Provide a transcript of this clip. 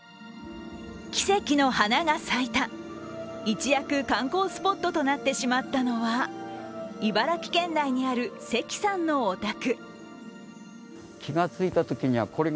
一躍関東スポットとなってしまったのは茨城県内にある関さんのお宅。